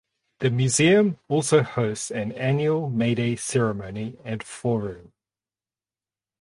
The museum also hosts an annual Mayday Ceremony and forum.